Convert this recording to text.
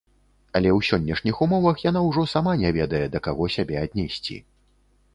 Але ў сённяшніх умовах яна ўжо сама не ведае, да каго сябе аднесці.